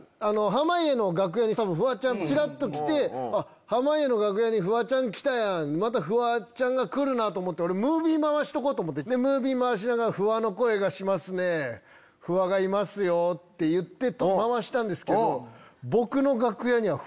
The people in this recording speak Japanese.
濱家の楽屋に多分フワちゃんちらっと来て濱家の楽屋にフワちゃん来たフワちゃんが来る！と思って俺ムービー回しとこうと思って回しながら「フワの声がしますねフワがいますよ」って言って回したんですけど。